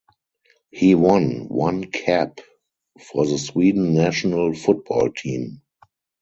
He won one cap for the Sweden national football team.